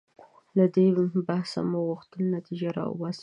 له دې بحثه مو غوښتل نتیجه راوباسو.